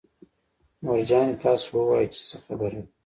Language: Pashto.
مور جانې تاسو ووايئ چې څه خبره ده.